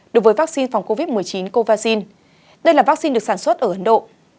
đối với vaccine phòng covid một mươi chín covaxin đây là vaccine được sản xuất ở ấn độ